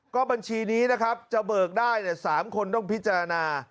ก็บัญชีนี้นะครับจะเบิกได้๓คนต้องพิจารณา